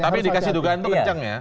tapi dikasih dugaan itu kencang ya